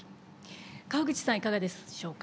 河口さんいかがでしょうか。